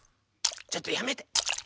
ちょっとやめてやめて！